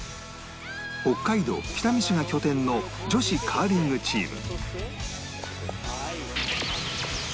北海道北見市が拠点の女子カーリングチーム